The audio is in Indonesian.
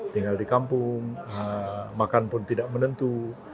tinggal di kampung makan pun tidak menentu